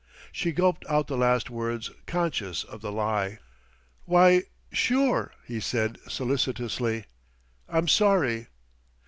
She gulped out the last words conscious of the lie. "Why sure," he said solicitously. "I'm sorry."